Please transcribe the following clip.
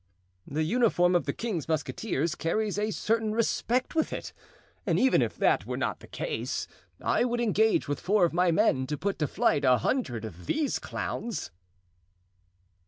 "The uniform of the king's musketeers carries a certain respect with it, and even if that were not the case I would engage with four of my men to put to flight a hundred of these clowns."